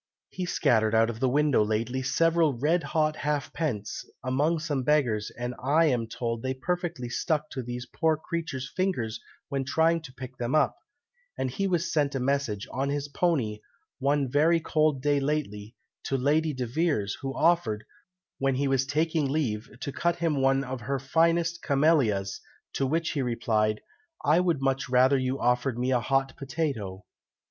"He scattered out of the window lately several red hot half pence, among some beggars, and I am told they perfectly stuck to the poor creatures' fingers when trying to pick them up; and he was sent a message, on his pony, one very cold day lately, to Lady De Vere's, who offered, when he was taking leave, to cut him one of her finest camellias, to which he replied, 'I would much rather you offered me a hot potatoe!'"